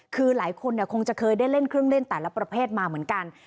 คือหลายคนคงจะเคยได้เล่นเครื่องเล่นแต่ละประเภทมาเหมือนกัน